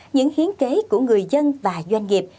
những hiến kế của người dân và doanh nghiệp